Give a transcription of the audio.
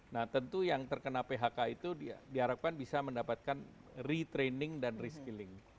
nah tentu yang terkena phk itu diharapkan bisa mendapatkan retraining dan reskilling